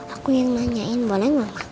aku yang nanyain boleh nggak